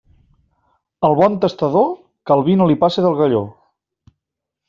Al bon tastador, que el vi no li passe del galló.